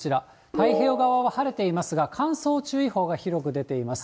太平洋側は晴れていますが、乾燥注意報が広く出ています。